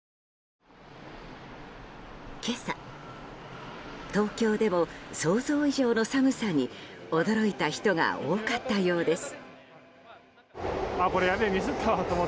今朝、東京でも想像以上の寒さに驚いた人が多かったようです。